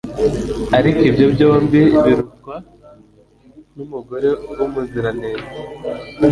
ariko ibyo byombi birutwa n'umugore w'umuziranenge